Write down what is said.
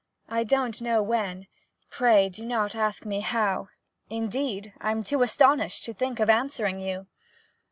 I don't know when, Pray do not ask me how, Indeed, I 'm too astonished To think of answering you!